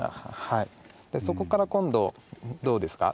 そこから今度どうですか？